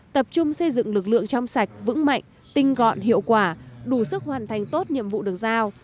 tập trung xây dựng lực lượng trong sạch vững mạnh tinh gọn hiệu quả đủ sức hoàn thành tốt nhiệm vụ được giao